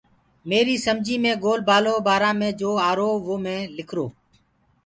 ميريٚ سمجيٚ مي گول بآلو بآرآ مي جو آرو وو مي لِکرو